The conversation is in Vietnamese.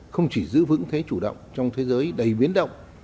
không chỉ giữ vững thế chủ động trong thế giới đầy biến động